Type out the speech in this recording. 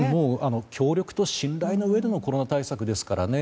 協力と信頼の上でのコロナ対策ですからね。